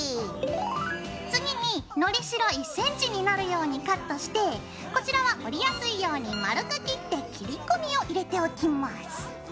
次にのりしろ１ｃｍになるようにカットしてこちらは折りやすいように丸く切って切り込みを入れておきます。